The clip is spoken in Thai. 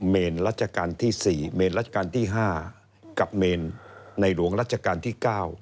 เมนรัชกาลที่๔เมนรัชกาลที่๕กับเมนในหลวงรัชกาลที่๙